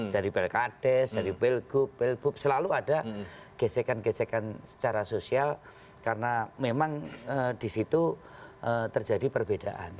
dari belkades dari pilgub pilgub selalu ada gesekan gesekan secara sosial karena memang di situ terjadi perbedaan